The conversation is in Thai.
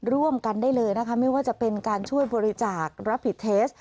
ร่วมกันได้เลยนะคะไม่ว่าจะเป็นการช่วยบริจาครับผิดเทส